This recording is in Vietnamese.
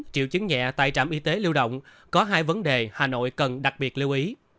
triệu chứng nhẹ tại trạm y tế lưu động có hai vấn đề hà nội cần đặc biệt lưu ý